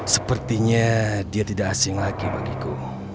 sepertinya dia tidak asing lagi bagiku